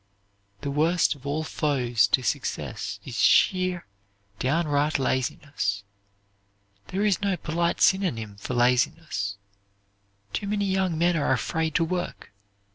The worst of all foes to success is sheer, downright laziness. There is no polite synonym for laziness. Too many young men are afraid to work.